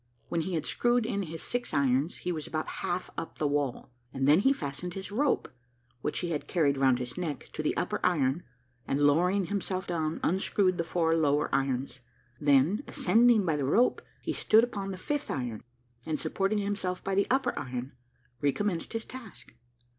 When he had screwed in his six irons, he was about half up the wall, and then he fastened his rope, which he had carried round his neck, to the upper iron, and lowering himself down, unscrewed the four lower irons; then, ascending by the rope, he stood upon the fifth iron, and, supporting himself by the upper iron, recommenced his task.